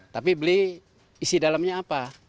tapi beli isi dalamnya apa